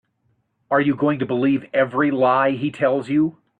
Are you going to believe every lie he tells you?